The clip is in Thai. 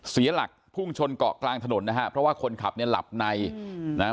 เสียหลักพุ่งชนเกาะกลางถนนนะฮะเพราะว่าคนขับเนี่ยหลับในอืมนะฮะ